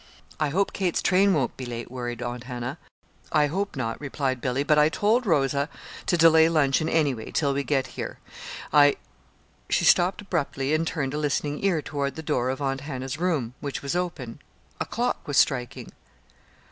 "I hope Kate's train won't be late," worried Aunt Hannah. "I hope not," replied Billy; "but I told Rosa to delay luncheon, anyway, till we get here. I " She stopped abruptly and turned a listening ear toward the door of Aunt Hannah's room, which was open. A clock was striking.